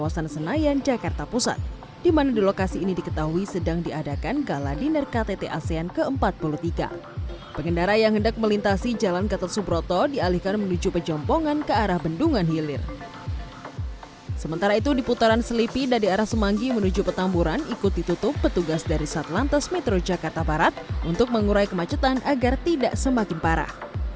sementara itu di putaran selipi dari arah semanggi menuju petamburan ikut ditutup petugas dari satlantas metro jakarta barat untuk mengurai kemacetan agar tidak semakin parah